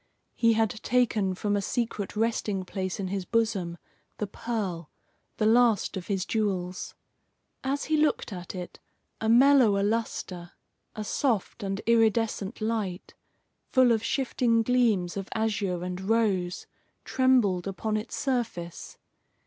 He had taken from a secret resting place in his bosom the pearl, the last of his jewels. As he looked at it, a mellower lustre, a soft and iridescent light, full of shifting gleams of azure and rose, trembled upon its surface.